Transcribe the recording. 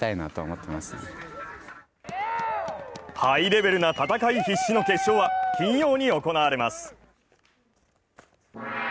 ハイレベルな戦い必至の決勝は、金曜に行われます。